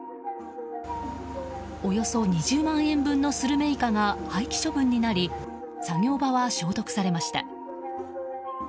およそ２０万円分のスルメイカが廃棄処分になり作業場は消毒されました。